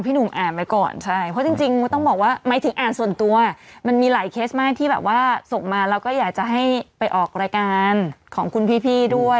พี่หนุ่มอ่านไปก่อนเพราะจริงหมายถึงอ่านส่วนตัวมันมีหลายเค้สมากที่เขาส่งมาเราก็อยากจะให้ไปออกรายการของคุณพี่ด้วย